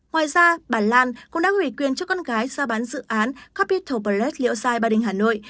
ngoài ra bà lan cũng đã hủy quyền cho con gái ra bán dự án capital pallet liệu sai bà đình hà nội